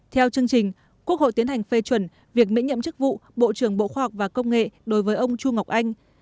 theo chương trình quốc hội tiến hành phê chuẩn việc miễn nhiệm chức vụ bộ trưởng bộ khoa học và công nghệ đối với ông chu ngọc anh